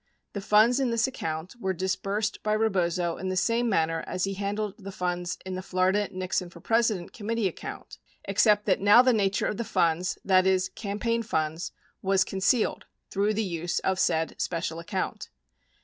The funds in this account were dis bursed by Rebozo in the same manner as he handled the funds in the Florida Nixon for President committee account except that now the nature of the funds, that is, campaign funds, was concealed through the use of said special account